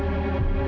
apa yang dia lakukan